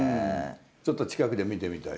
ちょっと近くで見てみたい？